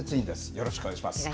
よろしくお願いします。